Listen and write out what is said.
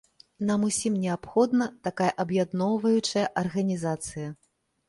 Нам усім неабходна такая аб'ядноўваючая арганізацыя.